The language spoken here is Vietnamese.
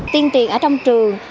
tiên triền ở trong trường